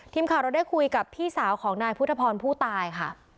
ทีมข่าวเราได้คุยกับพี่สาวของนายพุทธพรผู้ตายค่ะ